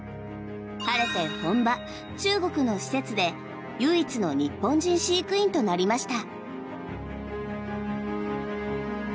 晴れて本場、中国の施設で唯一の日本人飼育員となりました。